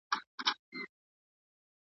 د شاګرد به تر پایه پورې خپله ژبه زده وي.